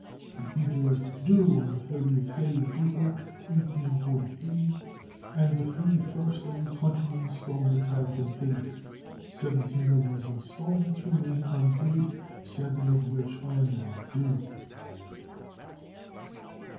The interest due on the 30th day of April, 1843, and the three first of the twenty installments have been paid. Seventeen of these installments, remain unpaid, seven of which are now due.